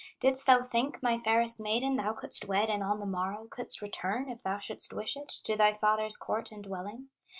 "Didst thou think, my fairest maiden, Thou couldst wed and on the morrow Couldst return, if thou shouldst wish it, To thy father's court and dwelling?